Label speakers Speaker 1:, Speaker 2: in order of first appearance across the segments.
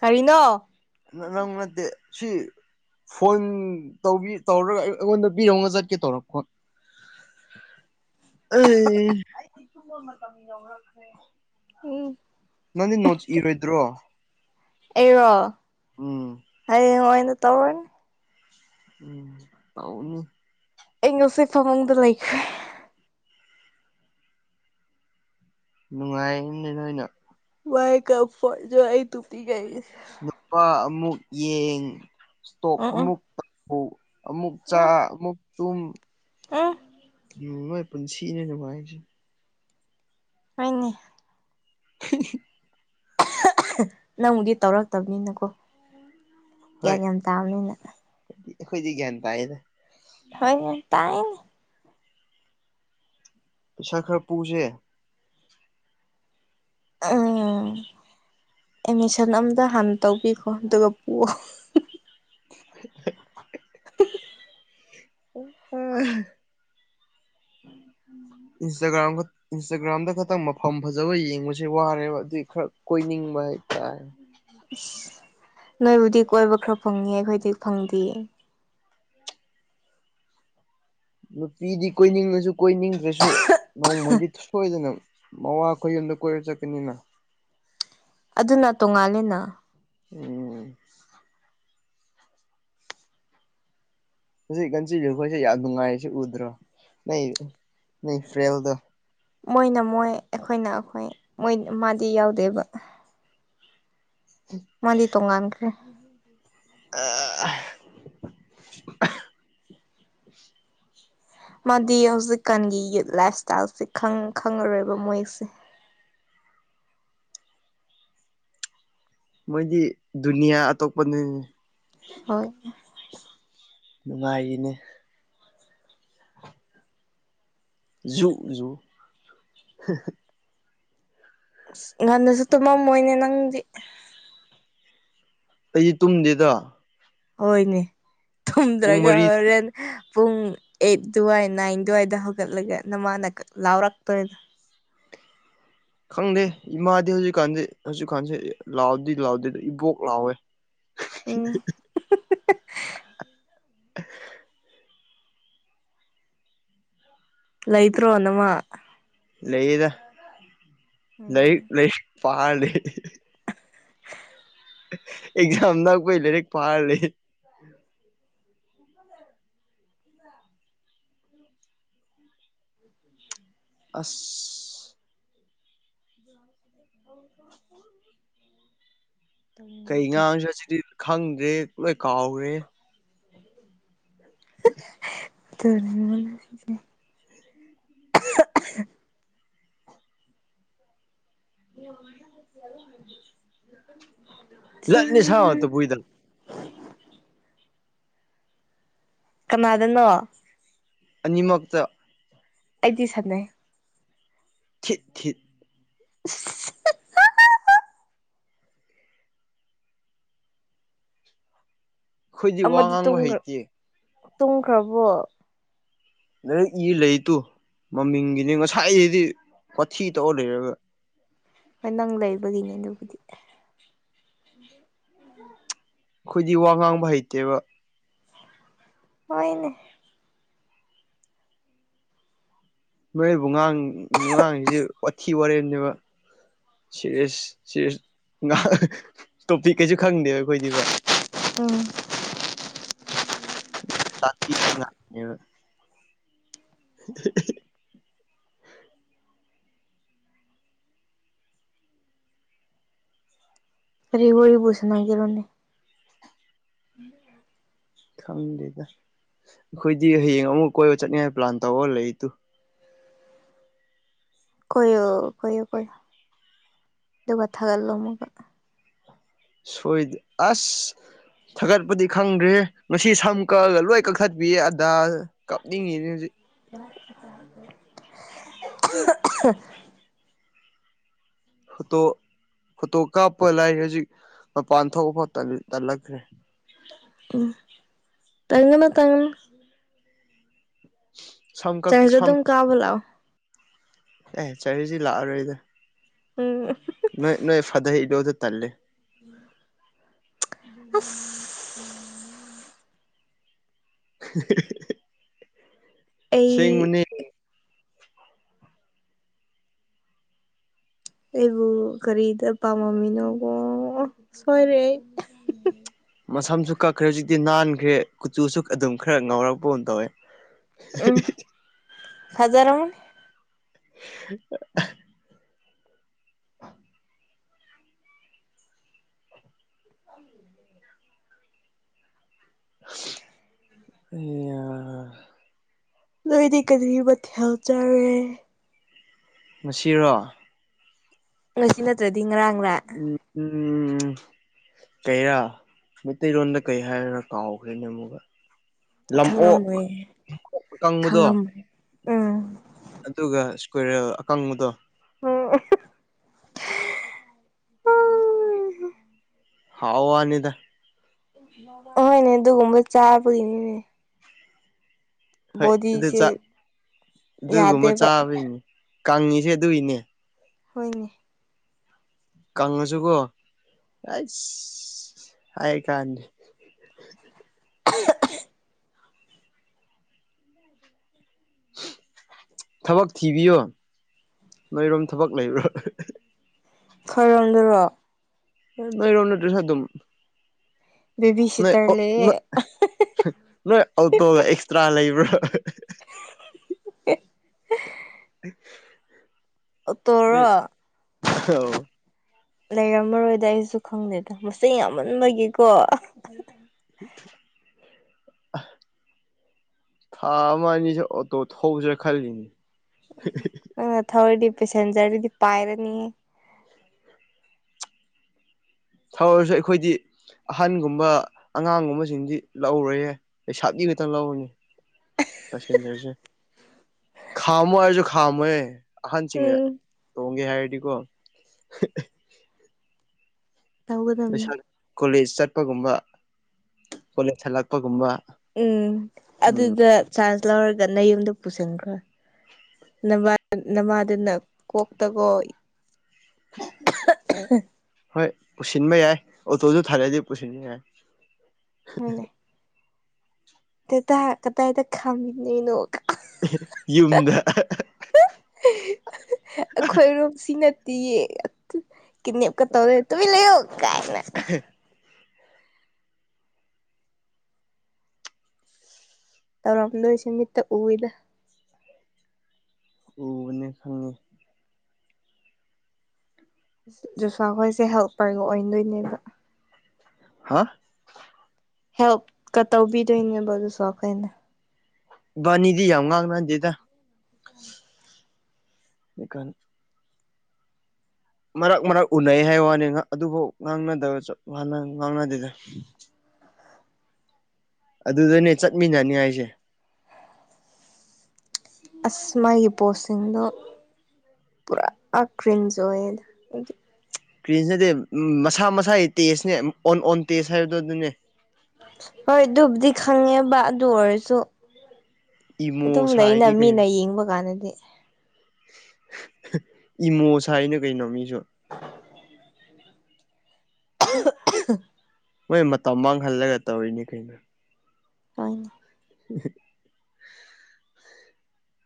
Speaker 1: ꯀꯔꯤꯅꯣ
Speaker 2: ꯅꯪ ꯅꯠꯇꯦ ꯁꯤ ꯐꯣꯟ ꯇꯧꯕꯤ ꯇꯧꯔꯒ ꯑꯩ ꯑꯩꯉꯣꯟꯗ ꯄꯤꯔꯣꯒ ꯆꯠꯀꯦ ꯇꯧꯔꯛꯄ꯫ ꯎꯝ ꯑꯩꯗꯤ ꯇꯨꯝꯕ ꯃꯇꯝ ꯌꯧꯔꯛꯈ꯭ꯔꯦ꯫
Speaker 1: ꯎꯝ
Speaker 2: ꯅꯪꯗꯤ ꯅꯣꯠꯁ ꯏꯔꯣꯏꯗ꯭ꯔꯣ
Speaker 1: ꯑꯩꯔꯣ꯫
Speaker 2: ꯎꯝ
Speaker 1: [unintelligible] ꯇꯧꯔꯅꯤ
Speaker 2: ꯎꯝ ꯇꯧꯅꯤ꯫
Speaker 1: ꯑꯩ ꯉꯁꯤ ꯐꯃꯨꯡꯗ ꯂꯩꯈ꯭ꯔꯦ꯫
Speaker 2: ꯅꯨꯡꯉꯥꯏꯅꯤꯅꯦ ꯅꯣꯏꯅ꯫
Speaker 1: ꯋꯥꯏ ꯀ [unintelligible] ꯑꯩ ꯇꯨꯝꯅꯤꯡ [unintelligible]
Speaker 2: ꯅꯨꯄꯥ ꯑꯃꯨꯛ ꯌꯦꯡ ꯁ꯭ꯇꯣꯛ
Speaker 1: ꯎꯝ ꯎꯝ
Speaker 2: ꯑꯃꯨꯛ ꯑꯣ ꯑꯃꯨꯛ ꯆꯥ ꯑꯃꯨꯛ ꯇꯨꯝ
Speaker 1: ꯑ
Speaker 2: ꯎꯝ ꯃꯣꯏ ꯄꯨꯟꯁꯤꯁꯦ ꯅꯨꯡꯉꯥꯏꯈ꯭ꯔꯦ
Speaker 1: [unintelligible]
Speaker 2: [inaudible]
Speaker 1: ꯅꯪꯕꯨꯗꯤ ꯇꯧꯔꯛꯇꯕꯅꯤꯅꯀꯣ ꯀꯌꯥ
Speaker 2: ꯍꯣꯏ
Speaker 1: ꯌꯥꯝ ꯇꯥꯟꯅꯤꯅ
Speaker 2: ꯑꯩꯈꯣꯏꯗꯤ ꯒ꯭ꯌꯥꯟ ꯇꯥꯏꯌꯦꯗ꯫
Speaker 1: ꯍ ꯌꯥꯝ ꯇꯥꯏꯌꯦꯅꯤ꯫
Speaker 2: ꯄꯩꯁꯥ ꯈꯔ ꯄꯨꯁꯦ꯫
Speaker 1: ꯎꯝ ꯑꯦꯠꯃꯤꯁꯟ ꯑꯝꯇ ꯍꯥꯟꯅ ꯇꯧꯕꯤꯈꯣ ꯑꯗꯨꯒ ꯄꯑꯣ꯫
Speaker 2: [inaudible] ꯏꯟꯁ꯭ꯇꯥꯒ꯭ꯔꯥꯝꯒ, ꯏꯟꯁ꯭ꯇꯥꯒ꯭ꯔꯥꯝꯗꯒ ꯈꯛꯇꯪ ꯃꯐꯝ ꯐꯖꯕ ꯌꯦꯡꯕꯁꯦ ꯋꯥꯔꯦꯕ ꯑꯗꯨꯏ ꯈꯔ ꯀꯣꯏꯅꯤꯡꯕ ꯍꯥꯏꯇꯥꯔꯦ꯫
Speaker 1: ꯅꯣꯏꯕꯨꯗꯤ ꯀꯣꯏꯕ ꯈꯔ ꯐꯪꯉ ꯑꯩꯈꯣꯏꯗꯤ ꯐꯪꯗꯦꯌꯦ꯫
Speaker 2: ꯅꯨꯄꯤꯗꯤ ꯀꯣꯏꯅꯤꯡꯉꯁꯨ ꯀꯣꯏꯅꯤꯡꯗ꯭ꯔꯁꯨ ꯅꯣꯡꯃꯗꯤ ꯁꯣꯏꯗꯅ ꯃꯋꯥ ꯀꯣꯏ ꯌꯨꯝꯗ ꯀꯣꯏꯔ ꯆꯠꯀꯅꯤꯅ꯫
Speaker 1: ꯑꯗꯨꯅ ꯇꯣꯡꯉꯥꯜꯂꯦꯅ꯫
Speaker 2: ꯎꯝ꯫ ꯍꯧꯖꯤꯛ ꯉꯟꯆꯤꯕꯤ ꯈꯣꯏꯁꯦ ꯌꯥꯝ ꯅꯨꯡꯉꯥꯏꯔꯁꯦ ꯎꯗ꯭ꯔꯣ, ꯅꯣꯏ [unintelligible]
Speaker 1: ꯃꯣꯏꯅ ꯃꯣꯏ, ꯑꯩꯈꯣꯏꯅ ꯑꯩꯈꯣꯏ, ꯃꯣꯏ, ꯃꯥꯗꯤ ꯌꯥꯎꯗꯦꯕ꯫ ꯃꯥꯥꯗꯤ ꯇꯣꯡꯉꯥꯟꯈ꯭ꯔꯦ꯫ ꯎꯝ
Speaker 2: ꯑ
Speaker 1: ꯃꯥꯗꯤ ꯍꯧꯖꯤꯛꯀꯥꯟꯒꯤ ꯌꯨꯠ ꯂꯥꯏꯐ ꯁ꯭ꯇꯥꯏꯜꯁꯦ ꯈꯪ, ꯈꯪꯉꯔꯣꯏꯕ ꯃꯣꯏꯁꯦ꯫
Speaker 2: ꯃꯣꯏꯗꯤ ꯗꯨꯅꯤꯌꯥ ꯑꯇꯣꯞꯄꯅꯤ꯫
Speaker 1: ꯍꯣꯏ꯫
Speaker 2: ꯅꯨꯡꯉꯥꯏꯌꯦꯅꯦ ꯖꯨ ꯖꯨ
Speaker 1: ꯉꯟꯅꯁꯨ ꯇꯨꯝꯃꯝꯃꯣꯏꯅꯦ ꯅꯪꯗꯤ꯫
Speaker 2: ꯑꯩꯗꯤ ꯇꯨꯝꯗꯦꯗ꯫
Speaker 1: ꯍꯣꯏꯅꯦ꯫
Speaker 2: ꯄꯨꯡ
Speaker 1: ꯊꯨꯝꯗ꯭ꯔꯒ
Speaker 2: ꯃꯔꯤ
Speaker 1: ꯍꯣꯔꯦꯟ ꯄꯨꯡ ꯑꯩꯠ ꯑꯗꯨꯋꯥꯏ, ꯅꯥꯏꯟ ꯑꯗꯨꯋꯥꯏꯗ ꯍꯧꯒꯠꯂꯒ ꯅꯃꯥꯅ ꯂꯥꯎꯔꯛꯇꯣꯏꯗ
Speaker 2: ꯈꯪꯗꯦ, ꯏꯃꯥꯗꯤ ꯍꯧꯖꯤꯛꯀꯥꯟꯗꯤ, ꯍꯧꯖꯤꯛꯀꯥꯟꯁꯦ ꯂꯥꯎꯗꯤ ꯂꯥꯎꯗꯦꯗ, ꯏꯕꯣꯛ ꯂꯥꯎꯋꯦ꯫ [inaudible]
Speaker 1: ꯎꯝ [inaudible]
Speaker 2: [inaudible]
Speaker 1: ꯂꯩꯇ꯭ꯔꯣ ꯅꯃꯥ꯫
Speaker 2: ꯂꯩꯌꯦꯗ꯫ ꯂꯩ,
Speaker 1: ꯎꯝ
Speaker 2: ꯂꯩ꯫ ꯄꯥꯜꯂꯤ ꯑꯦꯛꯖꯥꯝ ꯅꯛꯄꯒꯤ ꯂꯥꯏꯔꯤꯛ ꯄꯥꯔꯒ ꯂꯩ ꯑꯁ [inaudible] ꯀꯩ ꯉꯥꯡ ꯆꯁꯤꯗꯤ ꯈꯪꯗ꯭ꯔꯦ ꯂꯣꯏ ꯀꯥꯎꯈꯒꯔꯦ [inaudible]
Speaker 1: [unintelligible] [unintelligible]
Speaker 2: ꯂꯠꯅꯤ ꯁꯥ ꯇꯣ ꯕꯨꯏꯗꯅ
Speaker 1: ꯀꯃꯥꯗꯅꯣ
Speaker 2: ꯑꯅꯤ ꯃꯛꯇ
Speaker 1: ꯑꯩꯗꯤ ꯁꯥꯅꯩ
Speaker 2: ꯊꯤꯠ ꯊꯤꯠ
Speaker 1: [unintelligible]
Speaker 2: ꯑꯩꯈꯣꯏꯗꯤ ꯋꯥ ꯉꯥꯡꯕ ꯍꯩꯇꯦ
Speaker 1: ꯇꯨꯡꯈ꯭ꯔꯕꯣ
Speaker 2: ꯂꯥꯏꯔꯤꯛ ꯏ ꯂꯩꯇꯨ ꯃꯃꯤꯡꯒꯤꯅꯦ ꯉꯁꯥꯏꯗꯤ ꯋꯥꯊꯤ ꯇꯧꯔ ꯂꯩꯔꯒ
Speaker 1: ꯍꯣꯏ ꯅꯪ ꯂꯩꯕꯒꯤꯅꯦ ꯑꯗꯨꯕꯨꯗꯤ
Speaker 2: ꯑꯩꯈꯣꯏꯗꯤ ꯋꯥ ꯉꯥꯡꯕ ꯍꯩꯇꯦꯕ
Speaker 1: ꯍꯣꯏꯅꯦ
Speaker 2: ꯃꯣꯏꯕꯨ ꯉꯥꯡ ꯉꯥꯡꯏꯁꯦ ꯋꯥꯊꯤ ꯋꯥꯔꯦꯝꯅꯦꯕ ꯁꯤꯔꯁ ꯁꯤꯔꯁ ꯇꯣꯄꯤꯛ ꯀꯩꯁꯨ ꯈꯪꯗꯦꯕ ꯑꯩꯈꯣꯏꯗꯤꯕ
Speaker 1: ꯎꯝ
Speaker 2: [unintelligible]
Speaker 1: ꯀꯔꯤ ꯋꯥꯔꯤꯕꯨ ꯁꯥꯅꯒꯦꯔꯣꯅꯦ
Speaker 2: ꯈꯪꯗꯦꯗ ꯑꯩꯈꯣꯏꯗꯤ ꯍꯌꯦꯡ ꯑꯃꯨꯛ ꯀꯣꯏꯕ ꯆꯠꯅꯤꯡꯉꯥꯏ ꯄ꯭ꯂꯥꯟ ꯇꯧꯔꯒ ꯂꯩ ꯇꯨ
Speaker 1: ꯀꯣꯏꯌꯨ ꯀꯣꯏꯌꯨ ꯀꯣꯏꯌꯨ ꯑꯗꯨ ꯒ ꯊꯥꯒ ꯂꯣ ꯑꯃꯨꯛꯒ
Speaker 2: ꯁꯣꯏꯗꯦ ꯑꯁ ꯊꯥꯒꯠꯄꯗꯤ ꯈꯪꯗ꯭ꯔꯦ ꯉꯁꯤ ꯁꯝ ꯀꯛꯑꯒ ꯂꯣꯏ ꯀꯛꯊꯠꯄꯤꯌꯦ ꯑꯗꯥ ꯀꯞꯅꯤꯡꯉꯤꯅꯦ ꯍꯧꯖꯤꯛ
Speaker 1: [unintelligible]
Speaker 2: ꯐꯣꯇꯣ ꯐꯣꯇꯣ ꯀꯥꯞꯄ ꯂꯥꯏ ꯍꯧꯖꯤꯛ ꯃꯄꯥꯟ ꯊꯣꯛꯑ ꯐꯥꯎ ꯇꯜꯂꯛꯈ꯭ꯔꯦ
Speaker 1: ꯎꯝ ꯇꯟꯒꯅꯨ ꯇꯟꯒꯅꯨ
Speaker 2: ꯁꯝ ꯀꯛ
Speaker 1: ꯆ꯭ꯔꯖ
Speaker 2: ꯁꯝ
Speaker 1: ꯑꯗꯨꯞ ꯀꯥꯕꯨ ꯂꯥꯛꯑꯣ
Speaker 2: ꯑꯦ ꯆꯍꯤꯁꯤ ꯂꯥꯛꯑꯔꯣꯏꯗ
Speaker 1: ꯎꯝ
Speaker 2: ꯅꯣꯏ ꯅꯣꯏ ꯐꯥꯗꯔ ꯏꯟꯂꯣꯗꯨ ꯇꯟꯂꯦ
Speaker 1: ꯑꯁ
Speaker 2: [unintelligible]
Speaker 1: ꯑꯩ
Speaker 2: ꯁꯤꯡꯕꯅꯤ [inaudible]
Speaker 1: ꯑꯩꯕꯨ ꯀꯔꯤꯗ ꯄꯥꯝꯃꯃꯤꯅꯣ ꯀꯣ ꯁꯣꯏꯔꯦ ꯑꯩ
Speaker 2: ꯃꯁꯝꯁꯨ ꯀꯛꯈ꯭ꯔꯦ ꯍꯧꯖꯤꯛꯇꯤ ꯅꯥꯟꯈ꯭ꯔꯦ ꯀꯨꯆꯨꯁꯨ ꯑꯗꯨꯝ ꯈꯔ ꯉꯥꯎꯔꯛꯄ ꯒꯨꯝ ꯇꯧꯋꯦ
Speaker 1: ꯎꯝ
Speaker 2: [unintelligible]
Speaker 1: ꯐꯖꯔꯝꯃꯅꯤ
Speaker 2: [unintelligible] [inaudible]
Speaker 1: [inaudible]
Speaker 2: ꯑꯩꯌꯥ
Speaker 1: ꯅꯣꯏꯗꯤ ꯀꯔꯤ ꯃꯊꯦꯜ ꯆꯥꯔꯒꯦ
Speaker 2: ꯉꯥꯁꯤꯔꯣ
Speaker 1: ꯉꯁꯤ ꯅꯠꯇꯔꯗꯤ ꯉꯥꯔꯥꯥꯡ
Speaker 2: ꯎꯝ ꯎꯝ ꯎꯝ ꯀꯩꯔꯥ ꯃꯩꯇꯩꯔꯣꯟꯗ ꯀꯩ ꯍꯥꯏꯔꯔꯥ ꯀꯥꯎꯈ꯭ꯔꯦꯅꯦ ꯑꯃꯨꯛꯒ ꯂꯝ ꯑꯣꯛ
Speaker 1: ꯈꯪꯉꯝꯃꯣꯏꯌꯦ
Speaker 2: ꯑꯀꯪꯕꯗꯣ
Speaker 1: ꯈꯪꯉꯝꯃꯣꯏ ꯎꯝ
Speaker 2: ꯑꯗꯨꯒ ꯏꯁꯀ꯭ꯋꯦꯔꯦꯜ ꯑꯀꯪꯕꯗꯣ
Speaker 1: ꯎꯝ
Speaker 2: [inaudible] ꯍꯥꯎ ꯋꯥꯅꯤꯗ
Speaker 1: ꯍꯣꯏꯅꯦ ꯑꯗꯨꯒꯨꯝꯕ ꯆꯥꯕꯒꯤꯅꯤꯅꯦ
Speaker 2: ꯍꯣꯏ ꯑꯗꯨ
Speaker 1: ꯕꯣꯗꯤꯁꯦ
Speaker 2: ꯆꯥꯛ ꯑꯗꯨꯒꯨꯝꯕ
Speaker 1: ꯌꯥꯗꯦꯕ
Speaker 2: ꯆꯥꯕꯩꯅꯤ ꯀꯪꯉꯤꯁꯦ ꯑꯗꯨꯏꯅꯦ
Speaker 1: ꯍꯣꯏꯅꯦ
Speaker 2: ꯀꯪꯉꯁꯨꯀꯣ ꯑꯩꯁ ꯍꯥꯏ ꯀꯥꯟꯗꯦ
Speaker 1: [unintelligible]
Speaker 2: ꯊꯕꯛ ꯊꯤꯕꯤꯌꯣ ꯅꯣꯏꯔꯣꯝ ꯊꯕꯛ ꯂꯩꯕ꯭ꯔꯣ
Speaker 1: ꯈꯣꯏꯔꯣꯝꯗꯔꯣ
Speaker 2: ꯅꯣꯏꯔꯣꯝꯗꯁꯨ ꯑꯗꯨꯝ
Speaker 1: ꯕꯦꯕꯤ
Speaker 2: ꯅꯣꯏ
Speaker 1: ꯁꯤꯇꯔ ꯂꯩꯌꯦ
Speaker 2: ꯅꯣꯏ ꯅꯣꯏ ꯑꯧꯇꯣ ꯑꯥꯛꯁꯇ꯭ꯔꯥ ꯂꯩꯕ꯭ꯔꯥ [unintelligible]
Speaker 1: [unintelligible]
Speaker 2: [inaudible] ꯅꯣꯏ
Speaker 1: ꯑꯣꯇꯣꯔꯣ
Speaker 2: ꯑꯥꯎ
Speaker 1: ꯂꯩꯔꯝꯃꯔꯣꯏꯗ ꯑꯩꯖꯨ ꯈꯪꯗꯦꯗ ꯃꯁꯤꯡ ꯌꯥꯝꯃꯟꯕꯒꯤꯀꯣ
Speaker 2: ꯊꯥ ꯑꯃ ꯑꯅꯤꯁꯦ ꯑꯣꯇꯣ ꯊꯧꯖꯤꯔ ꯈꯜꯂꯤꯃꯤ
Speaker 1: ꯅꯥꯪꯅ ꯊꯧꯔꯗꯤ ꯄꯦꯁꯦꯟꯖꯔꯗꯤ ꯄꯥꯏꯔꯅꯤꯌꯦ
Speaker 2: ꯊꯧꯔꯖꯨ ꯑꯩꯈꯣꯏꯗꯤ ꯑꯍꯟꯒꯨꯝꯕ ꯑꯉꯥꯡꯒꯨꯝꯕꯁꯤꯡꯗꯤ ꯂꯧꯔꯌꯦ ꯂꯩꯁꯥꯕꯤ ꯈꯛꯇꯪ ꯂꯧꯔꯅꯤ ꯄꯦꯁꯦꯟꯖꯔꯁꯦ ꯈꯥꯝꯃꯣ ꯍꯥꯏꯔꯁꯨ ꯈꯥꯝꯃꯣꯏꯌꯦ ꯑꯍꯟꯁꯤꯡꯅ
Speaker 1: ꯎꯝ
Speaker 2: ꯇꯣꯡ ꯒꯦ ꯍꯥꯏꯔꯗꯤꯀꯣ
Speaker 1: ꯇꯧꯒꯗꯝꯅꯤ
Speaker 2: ꯂꯩꯁꯥ ꯀꯣꯂꯦꯖ ꯆꯠꯄꯒꯨꯝꯕ ꯀꯣꯂꯦꯖ ꯍꯜꯂꯛꯄꯒꯨꯝꯕ
Speaker 1: ꯎꯝ
Speaker 2: ꯎꯝ
Speaker 1: ꯑꯗꯨꯗ ꯆꯥꯟꯁ ꯂꯧꯔꯒ ꯅ ꯌꯨꯝꯗ ꯄꯨꯁꯤꯟꯈ꯭ꯔꯣ ꯅꯃꯥꯗꯨꯅ ꯀꯣꯛꯇꯀꯣ
Speaker 2: ꯍꯣꯏ ꯄꯨꯁꯤꯟꯕ ꯌꯥꯏ ꯑꯣꯇꯣꯁꯨ ꯊꯥꯔꯑꯗꯤ ꯄꯨꯁꯤꯟꯕ ꯌꯥꯏ
Speaker 1: ꯍꯣꯏꯅꯦ ꯗꯥꯗꯥ ꯀꯇꯥꯏꯗ ꯈꯥꯝꯗꯣꯏꯅꯣ
Speaker 2: ꯌꯨꯝꯗ
Speaker 1: ꯇ ꯀꯤꯗꯅꯦꯞ ꯀ ꯇꯧꯗꯣꯏꯅꯦ ꯇꯨꯃꯤꯟ ꯂꯩꯌꯨ ꯀꯥꯏꯅ ꯇꯧꯔꯝꯗꯣꯏꯁꯦ ꯃꯤꯠꯇ ꯎꯏꯗ
Speaker 2: ꯎꯕꯅꯦ ꯑꯥ
Speaker 1: ꯖꯨꯁꯥ ꯍꯣꯏꯁꯦ ꯍꯦꯜꯄꯔꯒ ꯑꯣꯏꯅꯗꯣꯏꯅꯦꯕ
Speaker 2: ꯍꯥ
Speaker 1: ꯍꯦꯜꯞꯀ ꯇꯧꯕꯤꯗꯣꯏꯅꯦꯕ ꯖꯤꯁꯥ ꯑꯩꯈꯣꯏꯅ
Speaker 2: ꯏꯕꯥꯅꯤꯗꯤ ꯌꯥꯝ ꯉꯥꯡꯅꯗꯦꯗ ꯏꯀ ꯃꯔꯛ ꯃꯔꯛ ꯎꯅꯩ ꯍꯥꯏꯕ ꯋꯥꯅꯤ ꯑꯗꯨꯐꯥꯎ ꯉꯥꯡꯅꯗꯕ ꯉꯥꯡꯅꯗꯦꯗ ꯑꯗꯨꯗꯅꯦ ꯆꯠꯃꯤꯟꯅꯅꯤ ꯍꯥꯏꯁꯦ
Speaker 1: ꯑꯁ ꯃꯥꯒꯤ ꯄꯣꯁꯁꯤꯡꯗꯣ ꯄꯨꯔꯥ ꯀ꯭ꯔꯤꯟꯖ ꯑꯣꯏꯌꯦꯗ
Speaker 2: ꯀ꯭ꯔꯤꯟꯁꯗꯤ ꯃꯁꯥ ꯃꯁꯥꯒꯤ ꯇꯦꯖꯅꯦ ꯑꯣꯟ ꯑꯣꯟ ꯇꯦꯖ ꯍꯥꯏꯕꯗꯣ ꯑꯗꯨꯅꯦ
Speaker 1: ꯍꯣꯏ ꯑꯗꯨꯕꯨꯗꯤ ꯈꯪꯉꯦꯕ ꯑꯗꯨ ꯑꯣꯏꯔꯁꯨ
Speaker 2: ꯏꯃꯣ
Speaker 1: ꯑꯗꯨꯝ ꯂꯩ ꯑꯦꯅ
Speaker 2: ꯁꯥꯏꯅꯤ
Speaker 1: ꯃꯤꯅ
Speaker 2: ꯀꯩꯅꯣ
Speaker 1: ꯌꯦꯡꯕ ꯀꯥꯟꯗꯗꯤ
Speaker 2: ꯏꯃꯣ ꯁꯥꯏꯅꯤ ꯀꯩꯅꯣ ꯃꯤꯁꯨ
Speaker 1: [inaudible] [inaudible]
Speaker 2: ꯃꯣꯏ ꯃꯇꯝ ꯃꯥꯡꯍꯜꯂꯒ ꯇꯧꯔꯤꯅꯤ ꯀꯩꯅꯣ
Speaker 1: ꯇ
Speaker 2: [inaudible]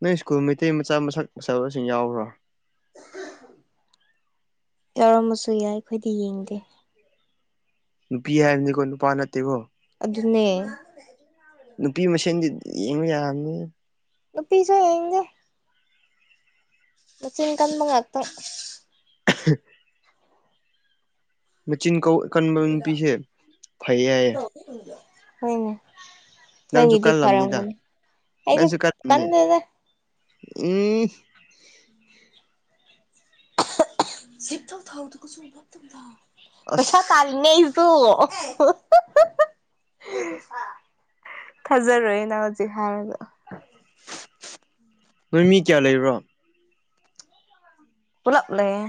Speaker 2: ꯅꯪ ꯁ꯭ꯀꯨꯜ ꯃꯩꯇꯩ ꯃꯆꯥ ꯃꯁꯛ ꯐꯖꯕꯁꯤꯡ ꯌꯥꯎꯕ꯭ꯔꯣ
Speaker 1: ꯌꯥꯎꯔꯝꯃꯁꯨ ꯌꯥꯏ ꯑꯩꯈꯣꯏꯗꯤ ꯌꯦꯡꯗꯦ
Speaker 2: ꯅꯨꯄꯤ ꯍꯥꯏꯕꯅꯤꯀꯣ ꯅꯨꯄꯥ ꯅꯠꯇꯦꯀꯣ
Speaker 1: ꯑꯗꯨꯅꯦ
Speaker 2: ꯅꯨꯄꯤ ꯃꯁꯦꯟꯗꯤ ꯌꯦꯡꯕ ꯌꯥꯕꯅꯦ
Speaker 1: ꯅꯨꯄꯤꯁꯨ ꯌꯡꯅꯤꯪꯗꯔꯦ ꯃꯆꯤꯟ ꯀꯟꯕ ꯉꯥꯛꯇ
Speaker 2: [inaudible] ꯃꯆꯤꯟ ꯀꯟꯕ ꯅꯨꯄꯤꯁꯦ ꯐꯩꯌꯦ ꯍꯥꯏꯌꯦ
Speaker 1: ꯍꯣꯏꯅꯦ
Speaker 2: ꯅꯪꯁꯨ
Speaker 1: ꯅꯪꯒꯤꯗꯤ
Speaker 2: ꯀꯜꯂꯝꯅꯤꯗ
Speaker 1: ꯐꯔꯝꯒꯅꯤ ꯑꯩꯗꯤ
Speaker 2: ꯅꯪꯁꯨ ꯀꯜꯂꯝꯅꯤ
Speaker 1: ꯀꯟꯗꯦꯗ
Speaker 2: ꯎꯝ
Speaker 1: [unintelligible] ꯄꯩꯁꯥ
Speaker 2: ꯑꯁ
Speaker 1: ꯇꯥꯂꯤꯅꯦ ꯑꯩꯁꯨ ꯊꯥꯖꯔꯣꯏꯌꯦ ꯅꯪ ꯍꯧꯖꯤꯛ ꯍꯥꯏꯕꯗ
Speaker 2: ꯅꯣꯏ ꯃꯤ ꯀꯌꯥ ꯂꯩꯕ꯭ꯔꯣ
Speaker 1: ꯄꯨꯂꯞ ꯂꯩꯌꯦ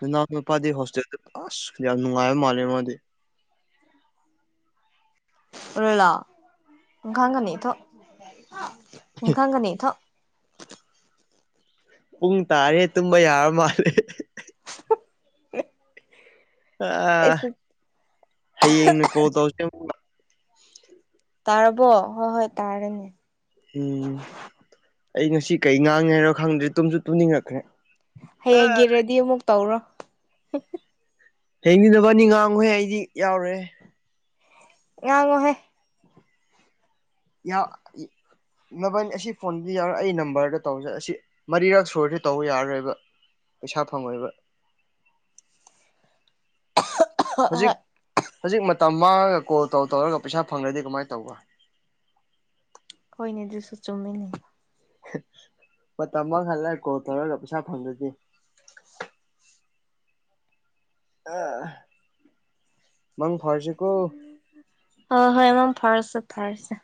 Speaker 2: ꯅꯅꯥꯎ ꯅꯨꯄꯥꯗꯤ ꯍꯣꯁꯇꯦꯜꯗ ꯑꯁ ꯌꯥꯝ ꯅꯨꯡꯉꯥꯏꯕ ꯃꯥꯜꯂꯦ ꯃꯣꯗꯤ
Speaker 1: [unintelligible] [unintelligible]
Speaker 2: ꯄꯨꯡ ꯇꯥꯔꯦ ꯇꯨꯝꯕ ꯌꯥꯔ ꯃꯥꯜꯂꯦ
Speaker 1: [unintelligible]
Speaker 2: ꯑ
Speaker 1: ꯑꯩꯁ
Speaker 2: ꯍꯌꯦꯡꯅ ꯀꯣꯜ ꯇꯧꯔꯁꯦ ꯑꯃꯨꯛꯀ
Speaker 1: ꯇꯥꯔꯕꯣ ꯍꯣꯏ -ꯍꯣꯏ ꯇꯥꯔꯦꯅꯦ
Speaker 2: ꯎꯝ ꯑꯩ ꯉꯁꯤ ꯀꯩ ꯉꯥꯡꯉꯦ ꯉꯣ ꯈꯪꯗ꯭ꯔꯦ ꯇꯨꯝꯁꯨ ꯇꯨꯝꯅꯤꯡꯉꯛꯈ꯭ꯔꯦ ꯑꯥ
Speaker 1: ꯍꯌꯦꯡꯒꯤ ꯔꯦꯗꯤ ꯑꯃꯨꯛ ꯇꯧꯔꯣ
Speaker 2: ꯍꯌꯦꯡꯗꯝ ꯅꯕꯅꯤ ꯉꯥꯡꯉꯨꯍꯦ ꯑꯩꯗꯤ ꯌꯥꯎꯔꯣꯏ ꯍꯦ
Speaker 1: ꯉꯥꯡꯉꯣꯍꯦ
Speaker 2: ꯅꯚꯅꯤ ꯑꯁꯤ ꯐꯣꯟꯗꯨꯗꯤ ꯌꯥꯎꯔ ꯑꯩ ꯅꯝꯕꯔꯗ ꯇꯧꯖꯩ ꯑꯁꯤ ꯃꯔꯤꯔꯛ ꯁꯨꯔꯗꯤ ꯇꯧꯕ ꯌꯥꯔꯔꯣꯏꯕ ꯄꯩꯁꯥ ꯐꯪꯉꯣꯏꯕ
Speaker 1: ꯍꯣꯏ -ꯍꯣꯏ
Speaker 2: ꯍꯨꯖꯤꯛ ꯃꯇꯝ ꯃꯥꯡꯉꯒ ꯀꯣꯜ ꯇꯧ ꯇꯧꯔꯒ ꯄꯩꯁꯥ ꯐꯪꯗ꯭ꯔꯗꯤ ꯀꯃꯥꯏꯅ ꯇꯧꯕ
Speaker 1: ꯍꯣꯏꯅꯦ ꯑꯗꯨꯁꯨ ꯆꯨꯝꯃꯤꯅꯦ
Speaker 2: ꯃꯇꯝ ꯃꯥꯡꯍꯜꯂꯒ ꯀꯣꯜ ꯇꯧꯔꯒ ꯄꯩꯁꯥ ꯐꯪꯗ꯭ꯔꯗꯤ ꯑ ꯃꯪ ꯐꯔꯁꯦ ꯀꯣ
Speaker 1: ꯍꯣꯏ ꯍꯣꯏ ꯃꯪ ꯐꯔꯁꯦ -ꯐꯔꯁꯦ